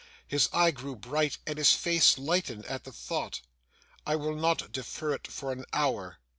His eye grew bright, and his face lightened at the thought. I will not defer it for an hour.